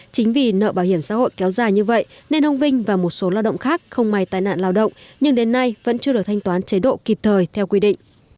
chính vì nợ bảo hiểm xã hội kéo dài như vậy nên ông vinh và một số lao động khác không may tài nạn lao động nhưng đến nay vẫn chưa được thanh toán chế độ kịp thời theo quy định